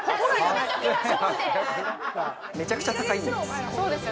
めちゃくちゃ高いんですよ。